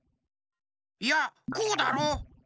いやこうだろ。